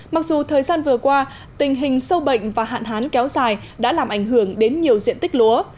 mặc dù thời gian vừa qua tình hình sâu bệnh và hạn hán kéo dài đã làm ảnh hưởng đến nhiều diện tích lúa